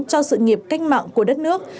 cho sự nghiệp cách mạng của đất nước